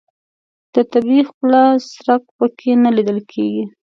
د طبیعي ښکلا څرک په کې نه لیدل کېږي.